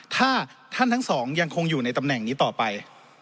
ถ้าท่านทั้งสองยังคงอยู่ในตำแหน่งนี้ต่อไป